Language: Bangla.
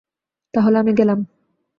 তাহলে, আমি গেলাম।